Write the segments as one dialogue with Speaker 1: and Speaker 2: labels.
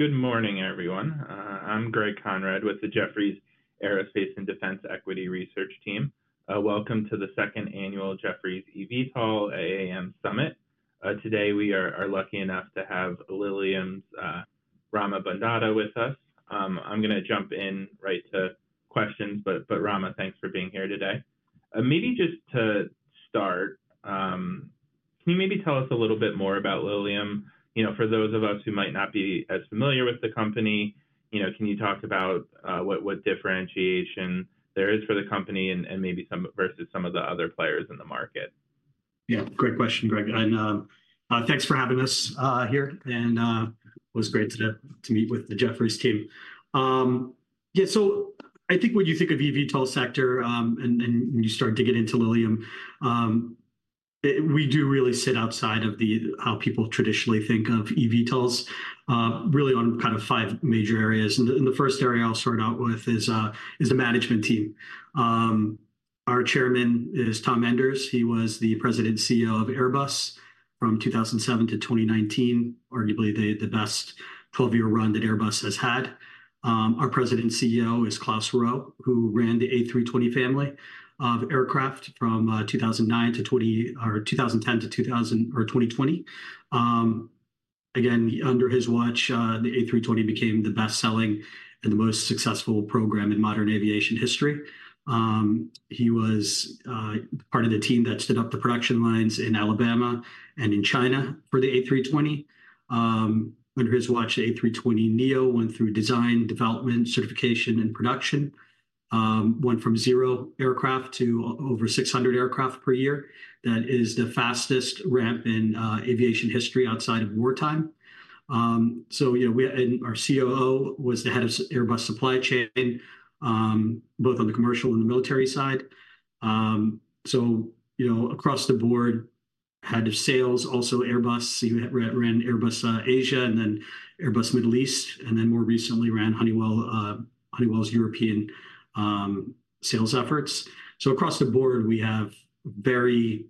Speaker 1: Good morning, everyone. I'm Greg Conrad with the Jefferies Aerospace and Defense Equity Research Team. Welcome to the Second Annual Jefferies eVTOL AAM Summit. Today we are lucky enough to have Lilium's Rama Bondada with us. I'm gonna jump in right to questions, but Rama, thanks for being here today. Maybe just to start, can you maybe tell us a little bit more about Lilium? You know, for those of us who might not be as familiar with the company, you know, can you talk about what differentiation there is for the company and maybe some-- versus some of the other players in the market?
Speaker 2: Yeah. Great question, Greg, and thanks for having us here, and it was great to meet with the Jefferies team. Yeah, so I think when you think of the eVTOL sector, and you start digging into Lilium, we do really sit outside of how people traditionally think of eVTOLs, really on kind of five major areas. And the first area I'll start out with is the management team. Our chairman is Tom Enders. He was the President and CEO of Airbus from 2007 to 2019, arguably the best 12-year run that Airbus has had. Our President and CEO is Klaus Roewe, who ran the A320 family of aircraft from 2009 to 2020 or 2010 to 2000 or 2020. Again, under his watch, the A320 became the best-selling and the most successful program in modern aviation history. He was part of the team that stood up the production lines in Alabama and in China for the A320. Under his watch, the A320neo went through design, development, certification, and production, went from zero aircraft to over 600 aircraft per year. That is the fastest ramp in aviation history outside of wartime. So you know, we... And our COO was the head of Airbus supply chain, both on the commercial and the military side. So, you know, across the board, head of sales, also Airbus. He ran Airbus Asia, and then Airbus Middle East, and then more recently ran Honeywell, Honeywell's European sales efforts. So across the board, we have very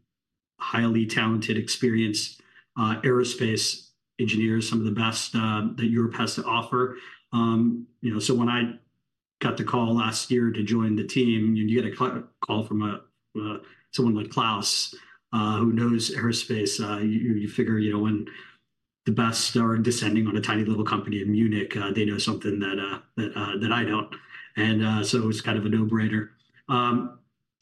Speaker 2: highly talented, experienced aerospace engineers, some of the best that Europe has to offer. You know, so when I got the call last year to join the team, you get a call from someone like Klaus, who knows aerospace, you figure, you know, when the best are descending on a tiny little company in Munich, they know something that I don't. And so it was kind of a no-brainer.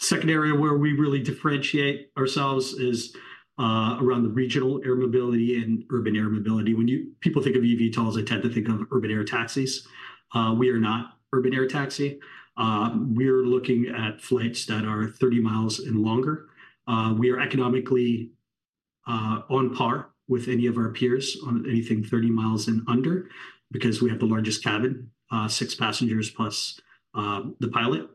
Speaker 2: Second area where we really differentiate ourselves is around the regional air mobility and urban air mobility. When people think of eVTOLs, they tend to think of urban air taxis. We are not urban air taxi. We're looking at flights that are 30 miles and longer. We are economically on par with any of our peers on anything 30 miles and under because we have the largest cabin, six passengers plus the pilot.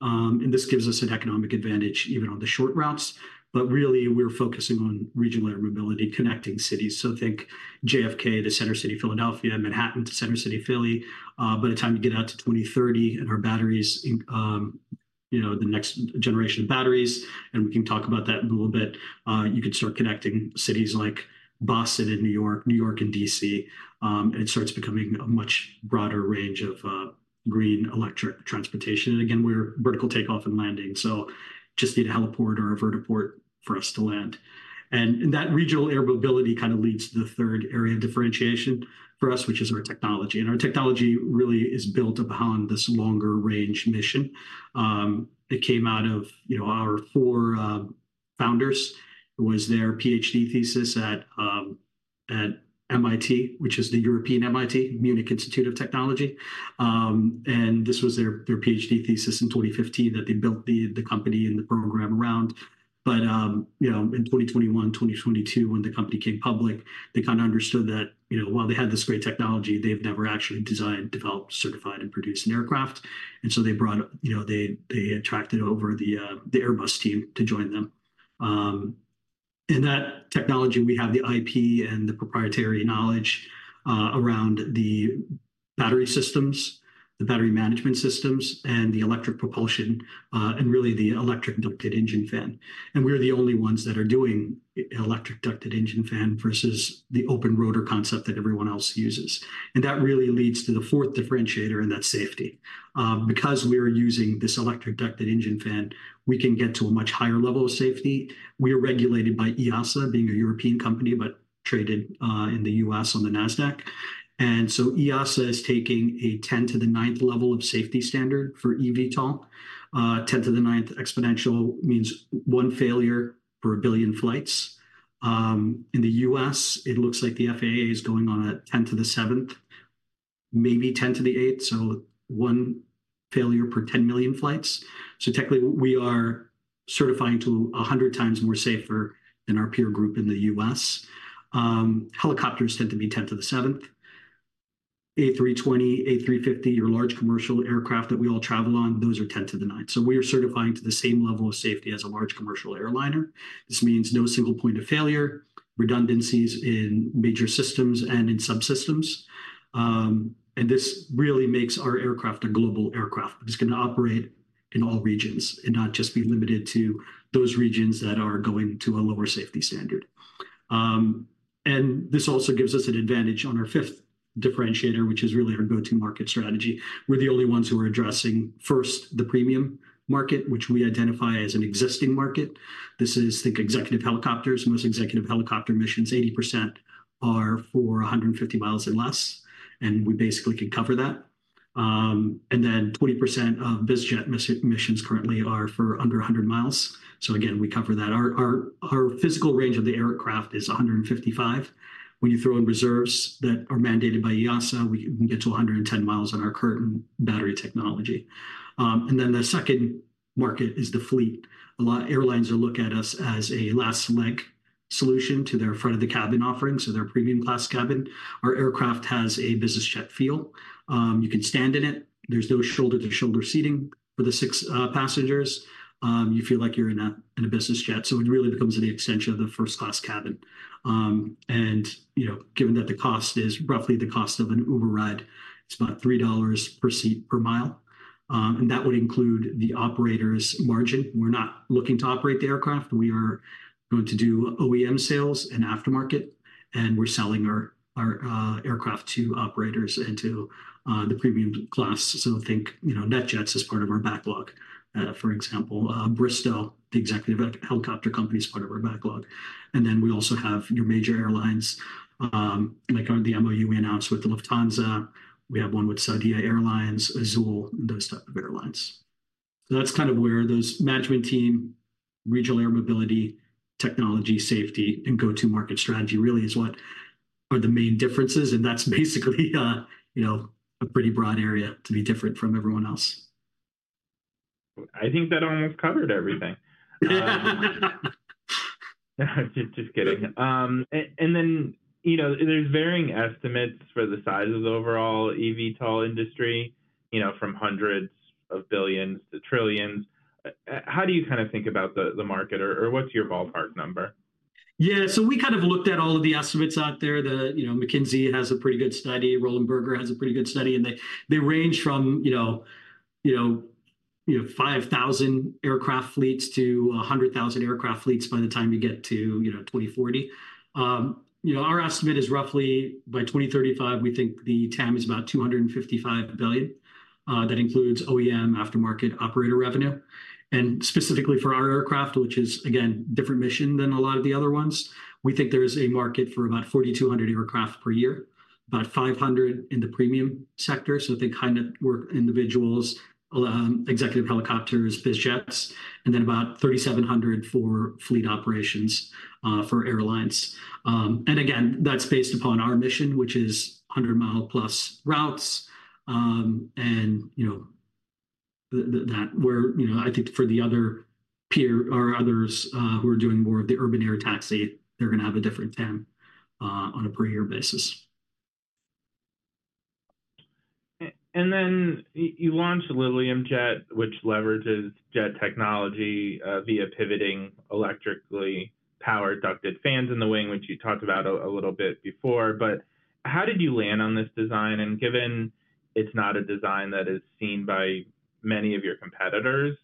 Speaker 2: And this gives us an economic advantage even on the short routes. But really, we're focusing on regional air mobility, connecting cities. So think JFK to Center City, Philadelphia, Manhattan to Center City, Philly. By the time you get out to 2030 and our batteries in, you know, the next generation of batteries, and we can talk about that in a little bit, you can start connecting cities like Boston and New York, New York and D.C. And it starts becoming a much broader range of green electric transportation. And again, we're vertical takeoff and landing, so just need a heliport or a vertiport for us to land. And in that regional air mobility kind of leads to the third area of differentiation for us, which is our technology. Our technology really is built upon this longer-range mission. It came out of, you know, our four founders. It was their PhD thesis at MIT, which is the European MIT, Munich Institute of Technology. And this was their PhD thesis in 2015, that they built the company and the program around. But you know, in 2021, 2022, when the company came public, they kind of understood that, you know, while they had this great technology, they've never actually designed, developed, certified, and produced an aircraft. And so they brought, you know, they attracted the Airbus team to join them. And that technology, we have the IP and the proprietary knowledge around the battery systems, the battery management systems, and the electric propulsion, and really the electric ducted fan. We're the only ones that are doing electric ducted fan versus the open rotor concept that everyone else uses. That really leads to the fourth differentiator, and that's safety. Because we are using this electric ducted fan, we can get to a much higher level of safety. We are regulated by EASA, being a European company, but traded in the U.S. on the Nasdaq. So EASA is taking a 10 to the ninth level of safety standard for eVTOL. 10 to the ninth exponential means one failure per a billion flights. In the U.S., it looks like the FAA is going on a 10 to the seventh, maybe 10 to the eighth, so one failure per 10 million flights. So technically, we are certifying to 100x more safer than our peer group in the U.S. Helicopters tend to be 10 to the seventh. A320, A350, your large commercial aircraft that we all travel on, those are 10 to the ninth. So we are certifying to the same level of safety as a large commercial airliner. This means no single point of failure, redundancies in major systems and in subsystems. And this really makes our aircraft a global aircraft. It's gonna operate in all regions, and not just be limited to those regions that are going to a lower safety standard. And this also gives us an advantage on our fifth differentiator, which is really our go-to-market strategy. We're the only ones who are addressing, first, the premium market, which we identify as an existing market. This is, think executive helicopters. Most executive helicopter missions, 80% are for 150 miles and less, and we basically could cover that. And then 20% of biz jet missions currently are for under 100 miles, so again, we cover that. Our physical range of the aircraft is 155. When you throw in reserves that are mandated by EASA, we can get to 110 miles on our current battery technology. And then the second market is the fleet. A lot of airlines are looking at us as a last-leg solution to their front-of-the-cabin offerings, so their premium class cabin. Our aircraft has a business jet feel. You can stand in it. There's no shoulder-to-shoulder seating for the six passengers. You feel like you're in a business jet, so it really becomes an extension of the first class cabin. And, you know, given that the cost is roughly the cost of an Uber ride, it's about $3 per seat per mile, and that would include the operator's margin. We're not looking to operate the aircraft. We are going to do OEM sales and aftermarket, and we're selling our aircraft to operators and to the premium class. So think, you know, NetJets is part of our backlog. And for example, Bristow, the executive helicopter company, is part of our backlog. And then we also have your major airlines, like on the MOU we announced with the Lufthansa. We have one with Saudi Airlines, Azul, those type of airlines. So that's kind of where those management team, regional air mobility, technology, safety, and go-to-market strategy really is what are the main differences, and that's basically, you know, a pretty broad area to be different from everyone else.
Speaker 1: I think that almost covered everything. Just kidding. And then, you know, there's varying estimates for the size of the overall eVTOL industry, you know, from hundreds of billions to trillions. How do you kind of think about the market, or what's your ballpark number?
Speaker 2: Yeah, so we kind of looked at all of the estimates out there. You know, McKinsey has a pretty good study. Roland Berger has a pretty good study, and they range from, you know, 5,000 aircraft fleets to 100,000 aircraft fleets by the time you get to 2040. You know, our estimate is roughly by 2035, we think the TAM is about $255 billion. That includes OEM, aftermarket, operator revenue. And specifically for our aircraft, which is, again, different mission than a lot of the other ones, we think there is a market for about 4,200 aircraft per year, about 500 in the premium sector, so think kind of where individuals, executive helicopters, biz jets, and then about 3,700 for fleet operations for airlines. Again, that's based upon our mission, which is 100-mile-plus routes. You know, that's where, you know, I think for the other peer or others, who are doing more of the urban air taxi, they're going to have a different TAM, on a per-year basis.
Speaker 1: And then you launched the Lilium Jet, which leverages jet technology via pivoting electrically powered ducted fans in the wing, which you talked about a little bit before. But how did you land on this design? And given it's not a design that is seen by many of your competitors,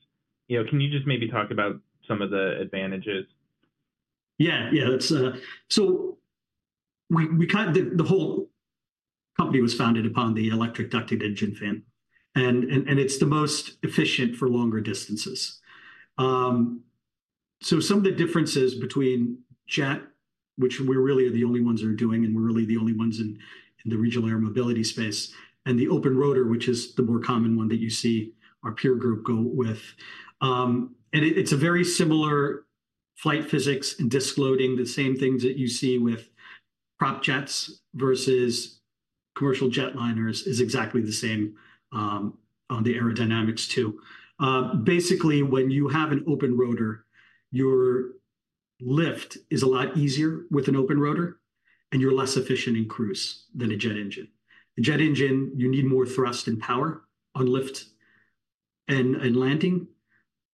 Speaker 1: you know, can you just maybe talk about some of the advantages?
Speaker 2: Yeah. Yeah, that's. So we kind of the whole company was founded upon the electric ducted fan, and it's the most efficient for longer distances. So some of the differences between jet, which we really are the only ones that are doing, and we're really the only ones in the regional air mobility space, and the open rotor, which is the more common one that you see our peer group go with. And it's a very similar flight physics and disk loading, the same things that you see with prop jets versus commercial jetliners is exactly the same, on the aerodynamics, too. Basically, when you have an open rotor, your lift is a lot easier with an open rotor, and you're less efficient in cruise than a jet engine. The jet engine, you need more thrust and power on lift and landing,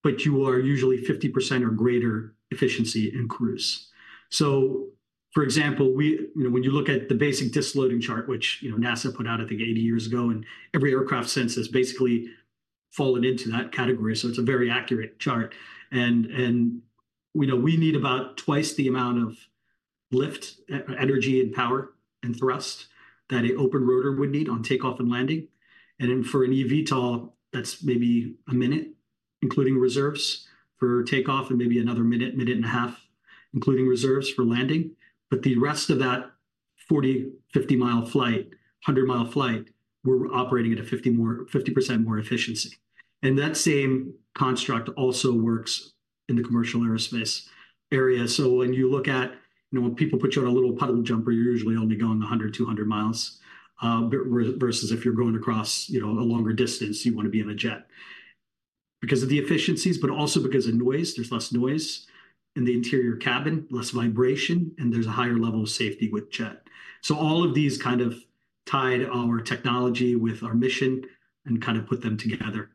Speaker 2: but you are usually 50% or greater efficiency in cruise. So, for example, we, you know, when you look at the basic disk loading chart, which, you know, NASA put out, I think, 80 years ago, and every aircraft since has basically fallen into that category, so it's a very accurate chart. And we know we need about twice the amount of lift, energy and power and thrust that an open rotor would need on takeoff and landing. And then for an eVTOL, that's maybe a minute, including reserves, for takeoff and maybe another minute, minute and a half, including reserves for landing. But the rest of that 40, 50-mile flight, 100-mile flight, we're operating at 50% more efficiency. And that same construct also works in the commercial aerospace area. So when you look at, you know, when people put you on a little puddle jumper, you're usually only going 100-200 miles, versus if you're going across, you know, a longer distance, you want to be on a jet because of the efficiencies, but also because of noise. There's less noise in the interior cabin, less vibration, and there's a higher level of safety with jet. So all of these kind of tied our technology with our mission and kind of put them together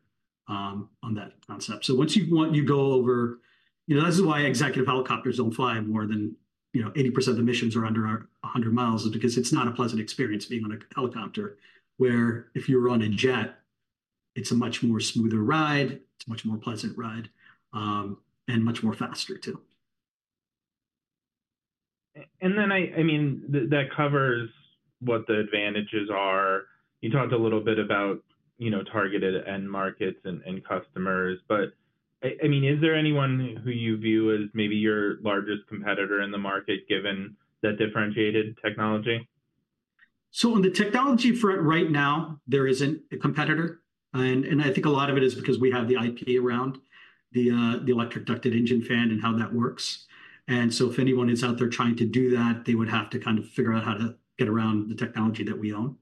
Speaker 2: on that concept. So once you want, you go over. You know, this is why executive helicopters don't fly more than you know, 80% of the missions are under 100 miles, is because it's not a pleasant experience being on a helicopter. Where if you're on a jet, it's a much more smoother ride, it's a much more pleasant ride, and much more faster, too.
Speaker 1: And then, I mean, that covers what the advantages are. You talked a little bit about, you know, targeted end markets and customers, but I mean, is there anyone who you view as maybe your largest competitor in the market, given the differentiated technology?
Speaker 2: So on the technology front right now, there isn't a competitor, and I think a lot of it is because we have the IP around the electric ducted fan and how that works. And so if anyone is out there trying to do that, they would have to kind of figure out how to get around the technology that we own.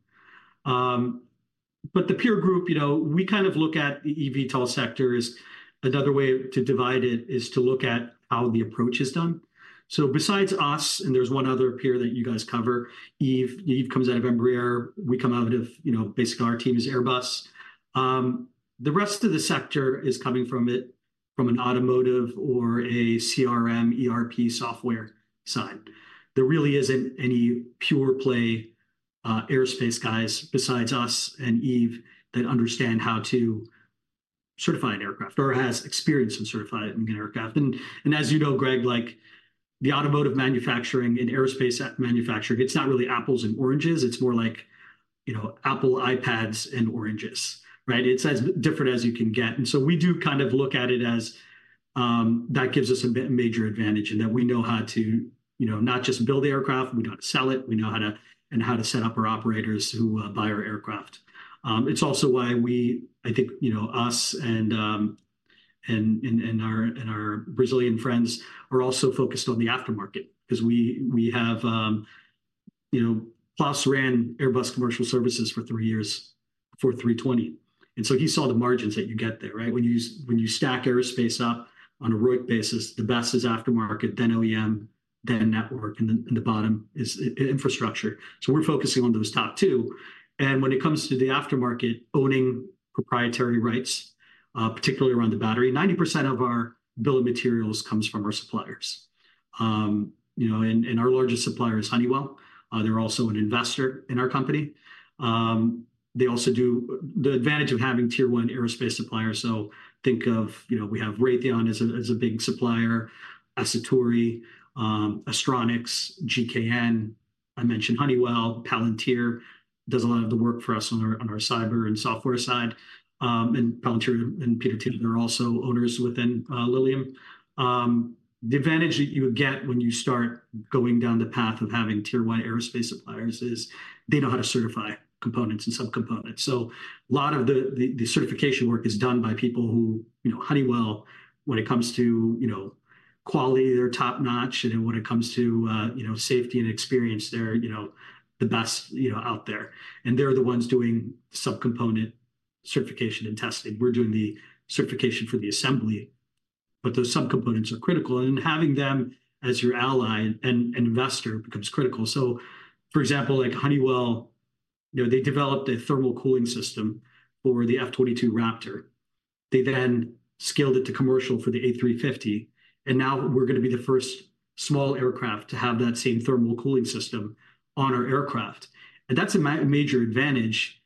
Speaker 2: But the peer group, you know, we kind of look at the eVTOL sector as another way to divide it, is to look at how the approach is done. So besides us, and there's one other peer that you guys cover, Eve. Eve comes out of Embraer, we come out of, you know, basically our team is Airbus. The rest of the sector is coming from it, from an automotive or a CRM, ERP software side. There really isn't any pure play aerospace guys besides us and Eve that understand how to certify an aircraft or has experience in certifying an aircraft. And as you know, Greg, like, the automotive manufacturing and aerospace manufacturing, it's not really apples and oranges, it's more like, you know, Apple iPads and oranges, right? It's as different as you can get. And so we do kind of look at it as that gives us a major advantage, in that we know how to, you know, not just build the aircraft, we know how to sell it and how to set up our operators who buy our aircraft. It's also why we, I think, you know, us and our Brazilian friends are also focused on the aftermarket. Because we have... You know, Klaus ran Airbus Commercial Services for three years for the A320, and so he saw the margins that you get there, right? When you, when you stack aerospace up on a ROIC basis, the best is aftermarket, then OEM, then network, and then the bottom is infrastructure. So we're focusing on those top two. And when it comes to the aftermarket, owning proprietary rights, particularly around the battery, 90% of our bill of materials comes from our suppliers. You know, our largest supplier is Honeywell. They're also an investor in our company. They also do... The advantage of having tier one aerospace suppliers, so think of, you know, we have Raytheon as a, as a big supplier, Aciturri, Astronics, GKN, I mentioned Honeywell, Palantir does a lot of the work for us on our cyber and software side. And Palantir and Peter Thiel are also owners within Lilium. The advantage that you get when you start going down the path of having tier one aerospace suppliers is, they know how to certify components and subcomponents. So a lot of the certification work is done by people who, you know, Honeywell, when it comes to, you know, quality, they're top-notch, and then when it comes to, you know, safety and experience, they're, you know, the best, you know, out there. And they're the ones doing subcomponent certification and testing. We're doing the certification for the assembly, but those subcomponents are critical, and having them as your ally and an investor becomes critical. So for example, like Honeywell, you know, they developed a thermal cooling system for the F-22 Raptor. They then scaled it to commercial for the A350, and now we're going to be the first small aircraft to have that same thermal cooling system on our aircraft. And that's a major advantage,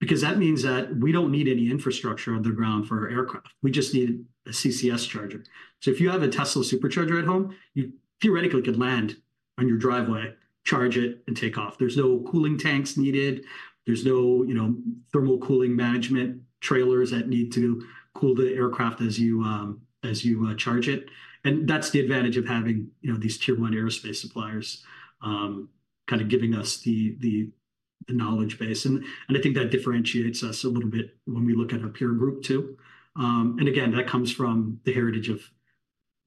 Speaker 2: because that means that we don't need any infrastructure on the ground for our aircraft. We just need a CCS charger. So if you have a Tesla Supercharger at home, you theoretically could land on your driveway, charge it, and take off. There's no cooling tanks needed. There's no, you know, thermal cooling management trailers that need to cool the aircraft as you charge it, and that's the advantage of having, you know, these tier one aerospace suppliers kind of giving us the knowledge base. And I think that differentiates us a little bit when we look at our peer group, too. And again, that comes from the heritage of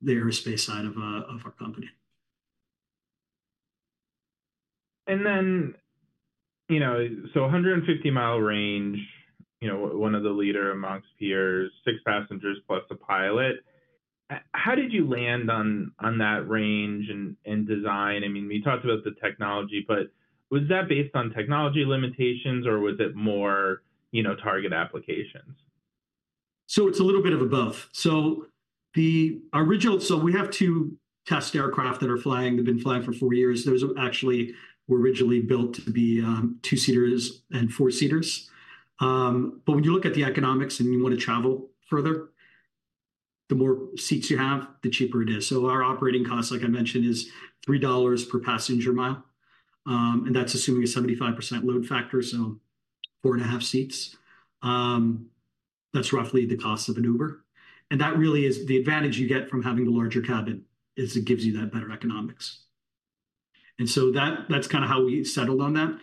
Speaker 2: the aerospace side of our company.
Speaker 1: And then, you know, so a 150-mile range, you know, one of the leader amongst peers, six passengers plus a pilot. How did you land on, on that range and, and design? I mean, we talked about the technology, but was that based on technology limitations, or was it more, you know, target applications?
Speaker 2: So it's a little bit of both. So we have two test aircraft that are flying, they've been flying for four years. Those actually were originally built to be two-seaters and four-seaters. But when you look at the economics and you want to travel further, the more seats you have, the cheaper it is. So our operating cost, like I mentioned, is $3 per passenger mile. And that's assuming a 75% load factor, so four and a half seats. That's roughly the cost of an Uber. And that really is the advantage you get from having the larger cabin, is it gives you that better economics. And so that, that's kind of how we settled on that.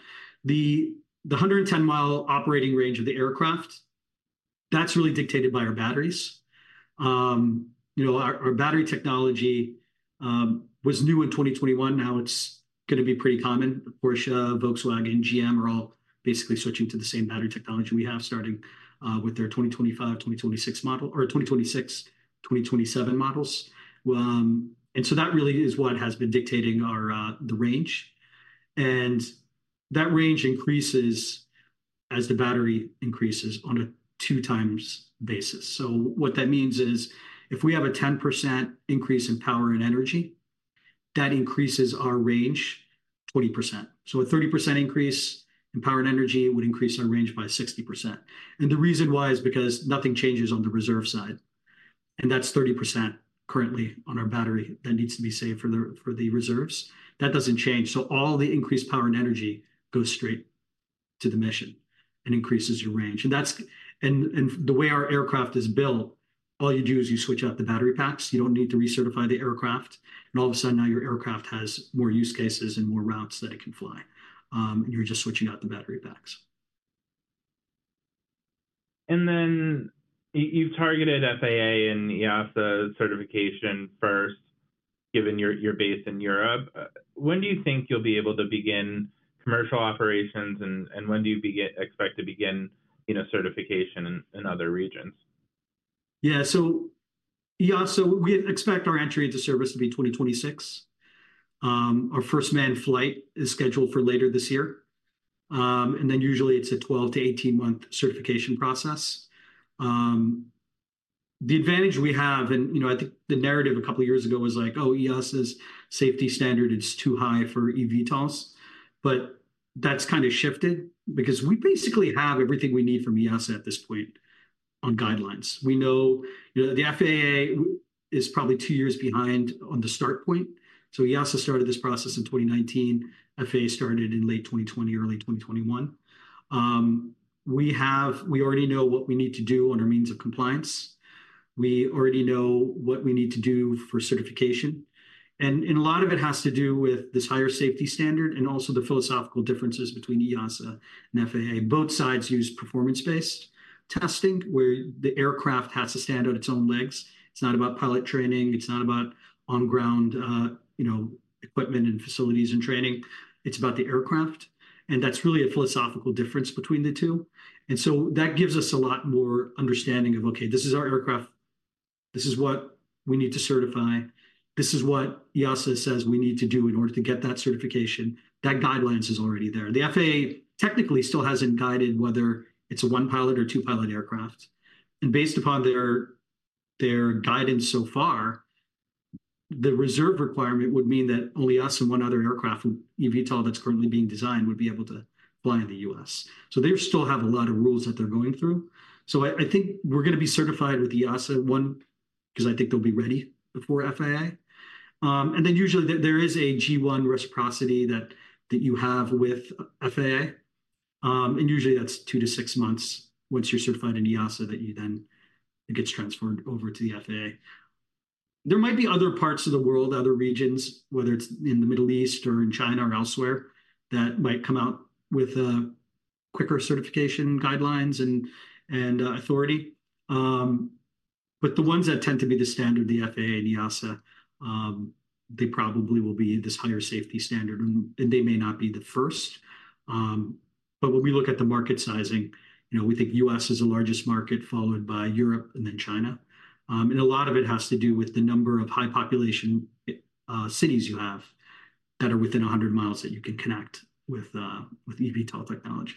Speaker 2: The 110-mile operating range of the aircraft, that's really dictated by our batteries. You know, our battery technology was new in 2021. Now it's going to be pretty common. Porsche, Volkswagen, GM are all basically switching to the same battery technology we have, starting with their 2025, 2026 model, or 2026, 2027 models. And so that really is what has been dictating the range, and that range increases as the battery increases on a 2x basis. So what that means is, if we have a 10% increase in power and energy, that increases our range 40%. So a 30% increase in power and energy would increase our range by 60%. And the reason why is because nothing changes on the reserve side, and that's 30% currently on our battery that needs to be saved for the, for the reserves. That doesn't change. So all the increased power and energy goes straight to the mission and increases your range. And that's the way our aircraft is built. All you do is you switch out the battery packs. You don't need to recertify the aircraft, and all of a sudden, now your aircraft has more use cases and more routes that it can fly, and you're just switching out the battery packs.
Speaker 1: Then you've targeted FAA and EASA certification first, given you're based in Europe. When do you think you'll be able to begin commercial operations, and when do you expect to begin, you know, certification in other regions?
Speaker 2: Yeah, so EASA, we expect our entry into service to be 2026. Our first manned flight is scheduled for later this year. And then usually it's a 12-18-month certification process. The advantage we have, and, you know, I think the narrative a couple of years ago was like, "Oh, EASA's safety standard is too high for eVTOLs," but that's kind of shifted because we basically have everything we need from EASA at this point on guidelines. We know, you know, the FAA is probably two years behind on the start point, so EASA started this process in 2019, FAA started in late 2020, early 2021. We already know what we need to do on our means of compliance. We already know what we need to do for certification, and a lot of it has to do with this higher safety standard and also the philosophical differences between EASA and FAA. Both sides use performance-based testing, where the aircraft has to stand on its own legs. It's not about pilot training, it's not about on-ground, you know, equipment and facilities and training. It's about the aircraft, and that's really a philosophical difference between the two. And so that gives us a lot more understanding of, okay, this is our aircraft, this is what we need to certify, this is what EASA says we need to do in order to get that certification. That guidelines is already there. The FAA technically still hasn't guided whether it's a one-pilot or two-pilot aircraft, and based upon their guidance so far, the reserve requirement would mean that only us and one other aircraft from eVTOL that's currently being designed would be able to fly in the U.S. So they still have a lot of rules that they're going through. So I think we're going to be certified with EASA, one, because I think they'll be ready before FAA. And then usually there is a G-1 reciprocity that you have with FAA, and usually that's two to six months once you're certified in EASA, that you then it gets transferred over to the FAA. There might be other parts of the world, other regions, whether it's in the Middle East or in China or elsewhere, that might come out with quicker certification guidelines and authority. But the ones that tend to be the standard, the FAA and EASA, they probably will be this higher safety standard, and they may not be the first. But when we look at the market sizing, you know, we think U.S. is the largest market, followed by Europe and then China. And a lot of it has to do with the number of high population cities you have that are within 100 miles that you can connect with eVTOL technology.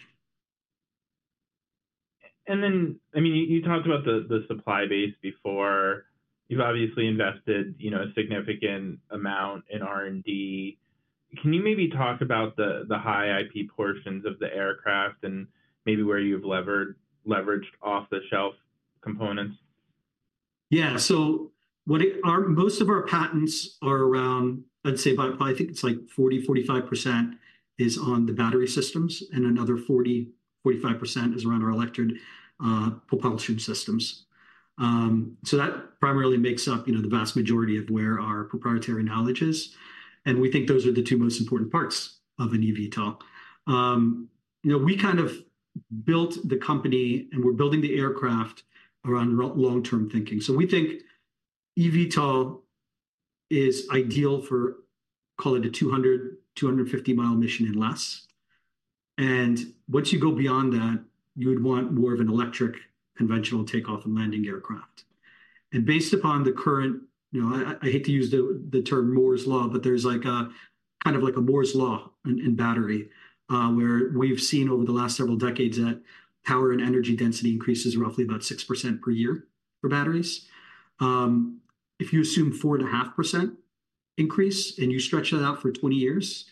Speaker 1: And then, I mean, you talked about the, the supply base before. You've obviously invested, you know, a significant amount in R&D. Can you maybe talk about the, the high IP portions of the aircraft and maybe where you've leveraged off-the-shelf components?
Speaker 2: Yeah. So what it is, our most of our patents are around, I'd say, about, I think it's like 40-45% is on the battery systems, and another 40-45% is around our electric propulsion systems. So that primarily makes up, you know, the vast majority of where our proprietary knowledge is, and we think those are the two most important parts of an eVTOL. You know, we kind of built the company, and we're building the aircraft around long-term thinking. So we think eVTOL is ideal for, call it a 200-250 mile mission and less, and once you go beyond that, you would want more of an electric, conventional takeoff and landing aircraft. And based upon the current... You know, I hate to use the term Moore's law, but there's like a kind of like a Moore's law in battery, where we've seen over the last several decades that power and energy density increases roughly about 6% per year for batteries. If you assume 4.5% increase, and you stretch that out for 20 years,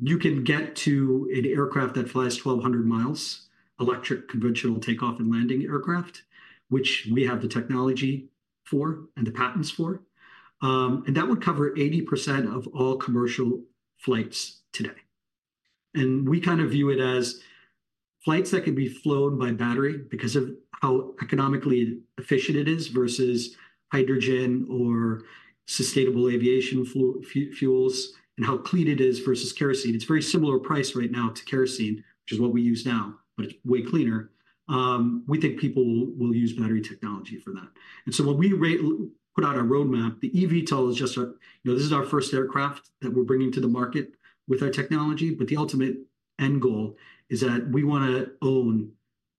Speaker 2: you can get to an aircraft that flies 1,200 miles, electric conventional takeoff and landing aircraft, which we have the technology for and the patents for, and that would cover 80% of all commercial flights today. We kind of view it as flights that can be flown by battery because of how economically efficient it is versus hydrogen or sustainable aviation fuels and how clean it is versus kerosene. It's very similar price right now to kerosene, which is what we use now, but it's way cleaner. We think people will use battery technology for that. And so when we put out our roadmap, the eVTOL is just our... You know, this is our first aircraft that we're bringing to the market with our technology, but the ultimate end goal is that we want to own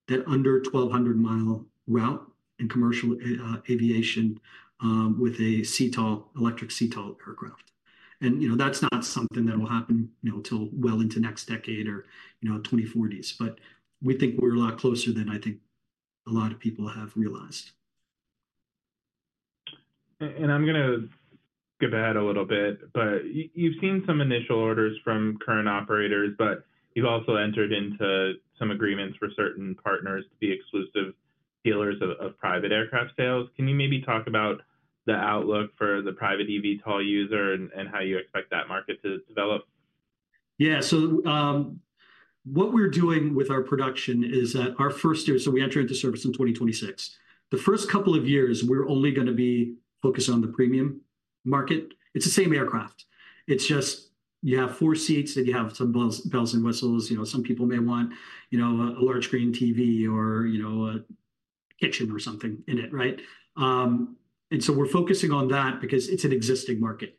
Speaker 2: that under 1,200 mile route in commercial aviation with a CTOL, electric CTOL aircraft. And, you know, that's not something that will happen, you know, till well into next decade or, you know, 2040s. But we think we're a lot closer than I think a lot of people have realized.
Speaker 1: I'm gonna skip ahead a little bit, but you've seen some initial orders from current operators, but you've also entered into some agreements for certain partners to be exclusive dealers of private aircraft sales. Can you maybe talk about the outlook for the private eVTOL user and how you expect that market to develop?
Speaker 2: Yeah. So, what we're doing with our production is that our first year, so we enter into service in 2026, the first couple of years, we're only going to be focused on the premium market. It's the same aircraft, it's just you have four seats, and you have some bells, bells, and whistles. You know, some people may want, you know, a, a large screen TV or, you know, a kitchen or something in it, right? And so we're focusing on that because it's an existing market,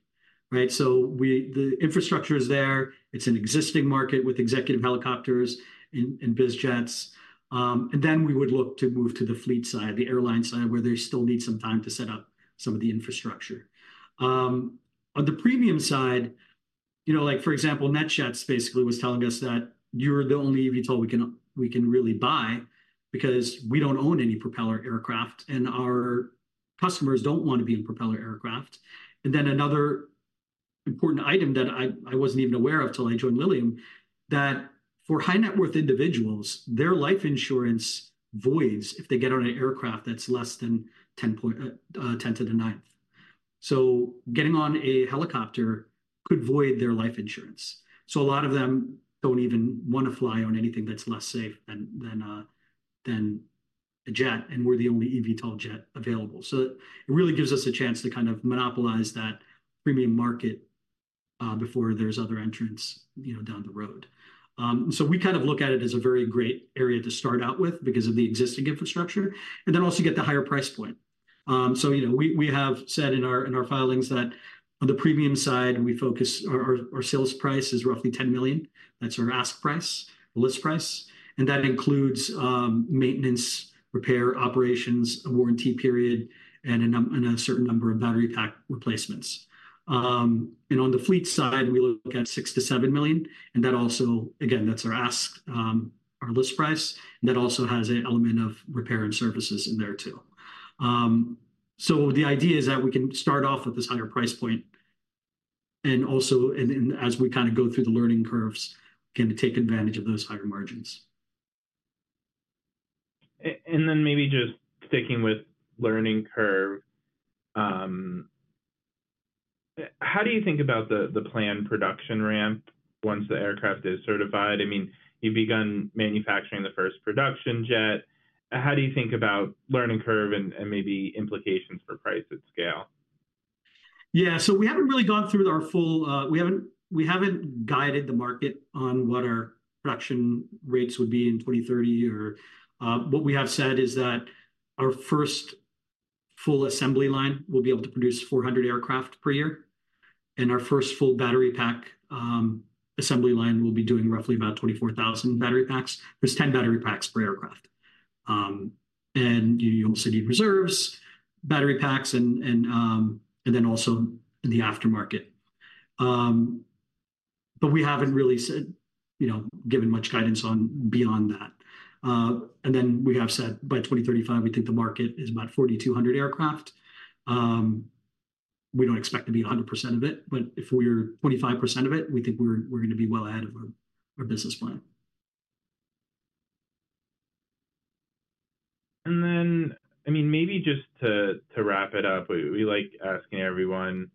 Speaker 2: right? So we, the infrastructure is there. It's an existing market with executive helicopters and, and biz jets. And then we would look to move to the fleet side, the airline side, where they still need some time to set up some of the infrastructure. On the premium side, you know, like, for example, NetJets basically was telling us that you're the only eVTOL we can, we can really buy because we don't own any propeller aircraft, and our customers don't want to be in propeller aircraft. Then another important item that I wasn't even aware of till I joined Lilium, that for high net worth individuals, their life insurance voids if they get on an aircraft that's less than 10 to the ninth. So getting on a helicopter could void their life insurance. So a lot of them don't even want to fly on anything that's less safe than a jet, and we're the only eVTOL jet available. So it really gives us a chance to kind of monopolize that premium market, before there's other entrants, you know, down the road. We kind of look at it as a very great area to start out with because of the existing infrastructure and then also get the higher price point. You know, we have said in our filings that on the premium side, we focus. Our sales price is roughly $10 million. That's our ask price, list price, and that includes maintenance, repair, operations, a warranty period, and a certain number of battery pack replacements. And on the fleet side, we look at $6 million-$7 million, and that also, again, that's our ask, our list price, and that also has an element of repair and services in there too. So the idea is that we can start off with this higher price point and also, and then as we kind of go through the learning curves, again, to take advantage of those higher margins.
Speaker 1: And then maybe just sticking with learning curve, how do you think about the planned production ramp once the aircraft is certified? I mean, you've begun manufacturing the first production jet. How do you think about learning curve and maybe implications for price at scale?
Speaker 2: Yeah. So we haven't really gone through our full. We haven't, we haven't guided the market on what our production rates would be in 2030 or, what we have said is that our first full assembly line will be able to produce 400 aircraft per year, and our first full battery pack, assembly line will be doing roughly about 24,000 battery packs. There's 10 battery packs per aircraft. And you also need reserves, battery packs, and, and, and then also in the aftermarket. But we haven't really said, you know, given much guidance on beyond that. And then we have said by 2035, we think the market is about 4,200 aircraft. We don't expect to be 100% of it, but if we're 25% of it, we think we're going to be well ahead of our business plan.
Speaker 1: And then, I mean, maybe just to wrap it up, we like asking everyone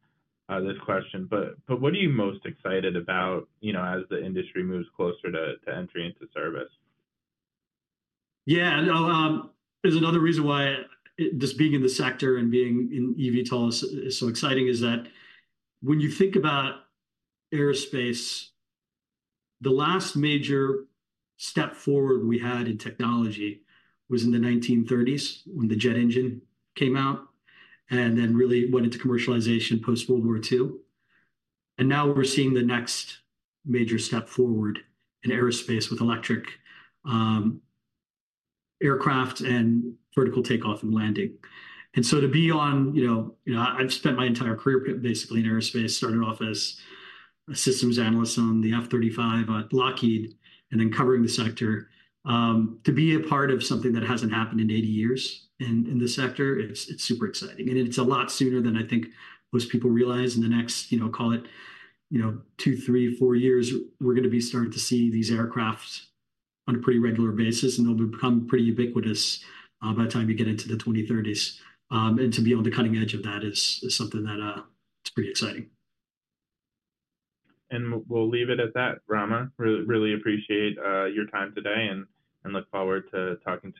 Speaker 1: this question, but what are you most excited about, you know, as the industry moves closer to entry into service?
Speaker 2: Yeah. No, there's another reason why just being in the sector and being in eVTOL is, is so exciting, is that when you think about aerospace, the last major step forward we had in technology was in the 1930s, when the jet engine came out, and then really went into commercialization post-World War II. And now we're seeing the next major step forward in aerospace with electric aircraft and vertical takeoff and landing. And so to be on, you know, you know, I've spent my entire career basically in aerospace, started off as a systems analyst on the F-35 at Lockheed and then covering the sector. To be a part of something that hasn't happened in 80 years in, in this sector, it's, it's super exciting, and it's a lot sooner than I think most people realize. In the next, you know, call it, you know, two, three, four years, we're going to be starting to see these aircraft on a pretty regular basis, and they'll become pretty ubiquitous by the time you get into the 2030s. And to be on the cutting edge of that is something that it's pretty exciting.
Speaker 1: We'll leave it at that, Rama. Really appreciate your time today and look forward to talking to you.